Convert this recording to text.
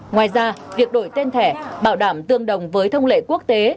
ngoài ra việc đổi tên thẻ bảo đảm tương đồng với thông lệ quốc tế